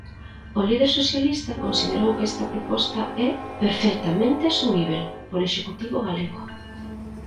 O líder socialista considerou que esta proposta é "perfectamente asumíbel" polo Executivo galego.